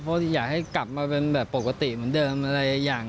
เพราะอยากให้กลับมาเป็นแบบปกติเหมือนเดิมอะไรอย่าง